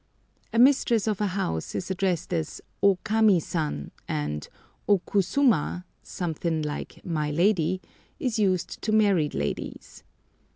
A mistress of a house is addressed as O Kami San, and O Kusuma—something like "my lady"—is used to married ladies.